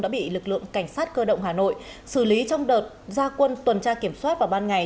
đã bị lực lượng cảnh sát cơ động hà nội xử lý trong đợt gia quân tuần tra kiểm soát vào ban ngày